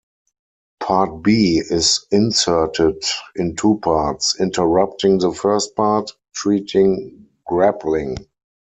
Part B is inserted in two parts, interrupting the first part, treating grappling.